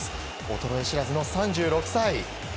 衰え知らずの３６歳。